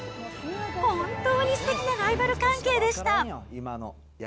本当にすてきなライバル関係でした。